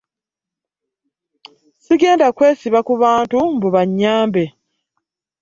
Sigenda kwesiba ku bantu mbu bannyambe.